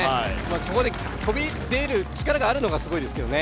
そこで飛び出る力があるのがすごいですけどね。